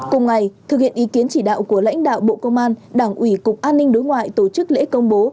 cùng ngày thực hiện ý kiến chỉ đạo của lãnh đạo bộ công an đảng ủy cục an ninh đối ngoại tổ chức lễ công bố